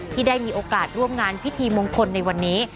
ที่ได้มีโอกาสร่วมงานพิธีมงคลในวันนี้